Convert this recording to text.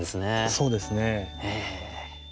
そうですね。へ。